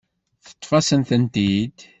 Teṭṭef-asent-tent-id.